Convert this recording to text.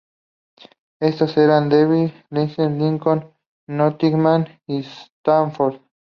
Estas eran Derby, Leicester, Lincoln, Nottingham y Stamford.